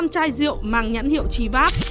bốn trăm linh chai rượu mang nhãn hiệu chivat